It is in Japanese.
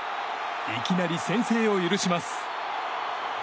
いきなり先制を許します。